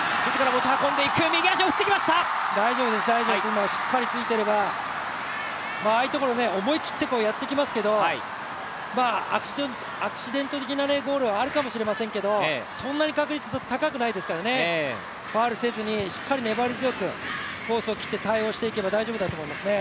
大丈夫です、大丈夫です、しっかりついていれば、ああいうところ、思い切ってやってきますけど、アクシデント的なゴールはあるかもしれませんけどそんなに確率は高くないですからファウルせずにしっかり粘り強くコースを切って対応していけば大丈夫だと思いますね。